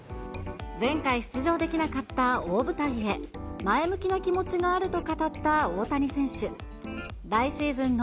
前回出場できなかった大舞台へ、前向きな気持ちがあると語った大谷選手。